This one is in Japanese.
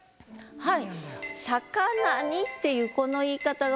はい。